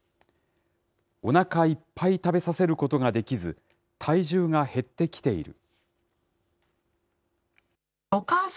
おなかいっぱい食べさせることができず、体重が減ってきている。